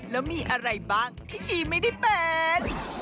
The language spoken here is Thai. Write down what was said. แล้วมีอะไรบ้างที่ชีไม่ได้เป็น